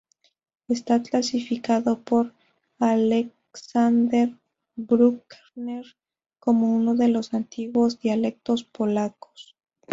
Está clasificado por Aleksander Bruckner como uno de los antiguos dialectos polacos.